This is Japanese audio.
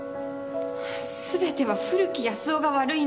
全ては古木保男が悪いんです。